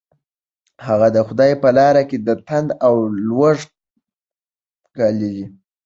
هغه د خدای په لاره کې تنده او لوږه ګاللې ده.